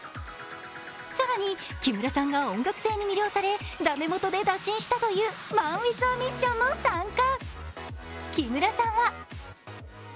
更に木村さんが音楽性に魅了されダメ元で打診したというＭＡＮＷＩＴＨＡＭＩＳＳＩＯＮも参加。